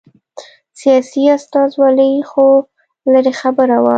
سیاسي استازولي خو لرې خبره وه